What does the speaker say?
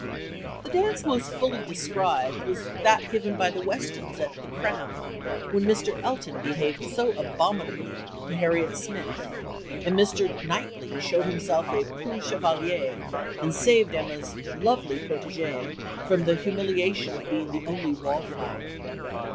The dance most fully described was that given by the Westons at the "Crown," when Mr. Elton behaved so abominably to Harriet Smith, and Mr. Knightley showed himself a preux chevalier and saved Emma's lovely protégée from the humiliation of being the only "wallflower."